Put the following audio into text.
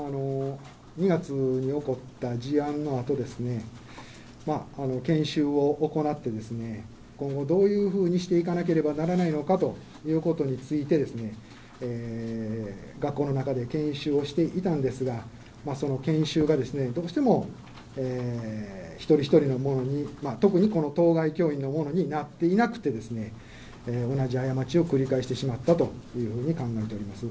２月に起こった事案のあと、研修を行って、今後、どういうふうにしていかなければならないのかということについて、学校の中で研修をしていたんですが、その研修が、どうしても一人一人のものに、特にこの当該教諭のものになっていなくて、同じ過ちを繰り返してしまったというふうに考えております。